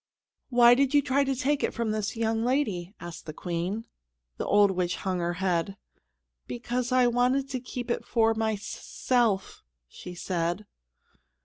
"Why did you try to take it from this young lady?" asked the Queen. The old witch hung her head. "Because I wanted to keep it for my s self," she said.